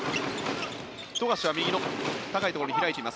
富樫は右の高いところに開いています。